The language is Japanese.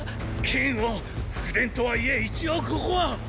剣を副殿とはいえ一応ここはっ！